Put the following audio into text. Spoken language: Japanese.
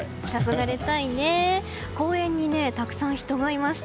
公園にたくさん人がいました。